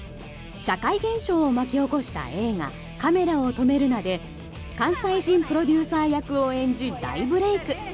社会現象を巻き起こした映画「カメラを止めるな！」で関西人プロデューサー役を演じ大ブレーク。